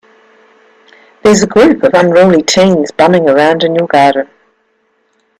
There's a group of unruly teens bumming around in your garden.